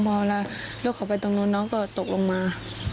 พอละลดออกไปตรงนู้นน้องก็ตกลงมา